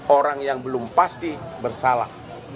orang yang belum pasti bersalah